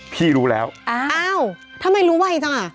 พี่รู้แล้วอ้าวอ้าวทำไมรู้ไวจังอ่ะ